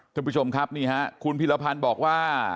ทุกผู้ชมครับคุณพิรพันธ์บอกว่า